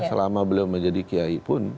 selama beliau menjadi kiai pun